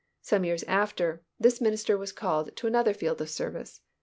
Some years after, this minister was called to another field of service.